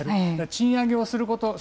賃上げをすること。